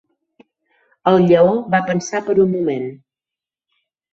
El lleó va pensar per un moment.